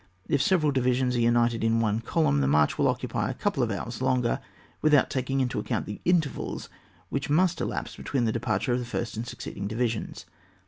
If several divisions are united in one column, the march will occupy a couple of hours longer, without taking into ac count the intervals which must elapse between the departure of the first and succeeding divisions.